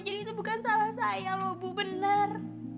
itu bukan salah saya loh bu benar